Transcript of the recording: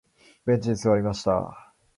ベンチに座りました。